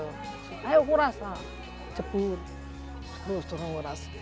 nah kita suruh nguras ceput terus suruh nguras